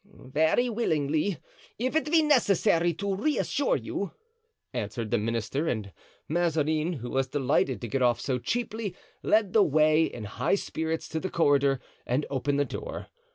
"Very willingly, if it be necessary to reassure you," answered the minister, and Mazarin, who was delighted to get off so cheaply, led the way, in high spirits, to the corridor and opened the door.